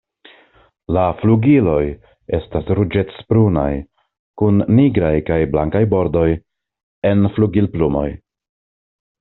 La flugiloj estas ruĝecbrunaj kun nigraj kaj blankaj bordoj en flugilplumoj.